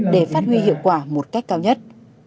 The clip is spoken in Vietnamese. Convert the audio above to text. để phát huy hiệu quả một cách cao nhất